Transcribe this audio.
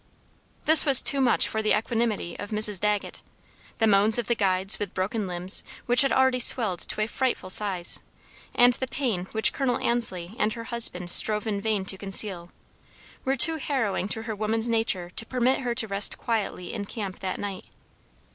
This was too much for the equanimity of Mrs. Dagget. The moans of the guides, with broken limbs, which had already swelled to a frightful size, and the pain which Col. Ansley and her husband strove in vain to conceal, were too harrowing to her woman's nature to permit her to rest quietly in camp that night.